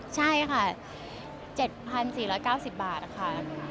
ใช่ค่ะ๗๔๙๐บาทค่ะ